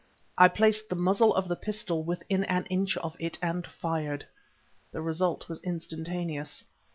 I placed the muzzle of the pistol within an inch of it and fired. The result was instantaneous.